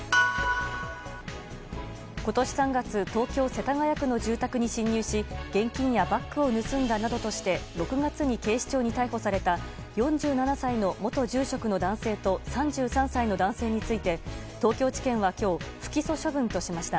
今年３月東京・世田谷区の住宅に侵入し現金やバッグを盗んだなどとして６月に警視庁に逮捕された４７歳の元住職の男性と３３歳の男性について東京地検は今日不起訴処分としました。